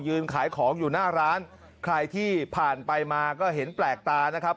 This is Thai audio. ขายของอยู่หน้าร้านใครที่ผ่านไปมาก็เห็นแปลกตานะครับ